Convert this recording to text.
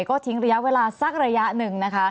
ก็ทิ้งระยะเวลาสักระยะหนึ่งนะคะ